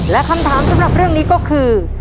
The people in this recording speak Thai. และคำถามสำหรับเรื่องนี้ก็คือ